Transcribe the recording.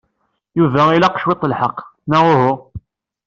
Yuba ila cwiṭ lḥeqq, neɣ uhu?